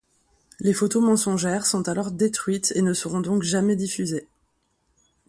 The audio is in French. Les photos mensongères sont alors détruites et ne seront donc jamais diffusées.